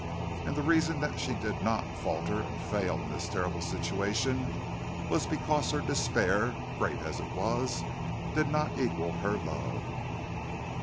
And the reason that she did not falter and fail in this terrible situation was because her despair, great as it was, did not equal her love.